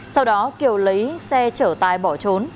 sau đó kiều lấy xe chở tài bỏ trốn